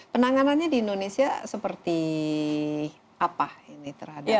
penanganannya di indonesia seperti apa